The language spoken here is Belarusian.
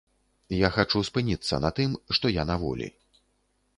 Я хачу спыніцца на тым, што я на волі.